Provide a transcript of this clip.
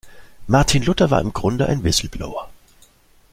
Martin Luther war im Grunde ein Whistleblower.